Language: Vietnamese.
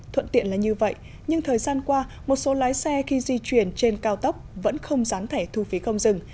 thuận tiện là như vậy nhưng thời gian qua một số lái xe khi di chuyển trên cao tốc vẫn không gián thẻ thu phí không dừng